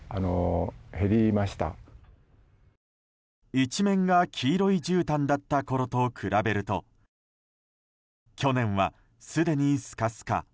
一面が黄色いじゅうたんだったころと比べると去年は、すでにスカスカ。